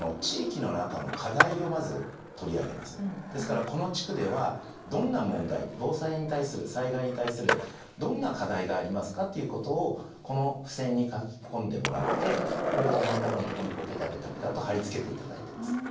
ですからこの地区ではどんな問題防災に対する災害に対するどんな課題がありますかということをこの付箋に書き込んでもらってこれを真ん中のとこにペタペタペタッと貼り付けていただいてます。